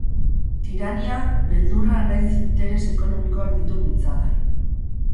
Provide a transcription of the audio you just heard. Tirania, beldurra nahiz interes ekonomikoak ditu mintzagai.